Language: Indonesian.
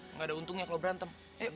nggak ada untungnya kalau berantem